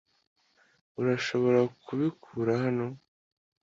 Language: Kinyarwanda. Urashobora kubikura hano?